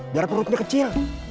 biar perutnya kecil